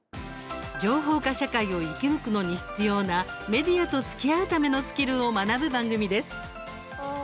情報化社会を生き抜くのに必要なメディアとつきあうためのスキルを学ぶ番組です。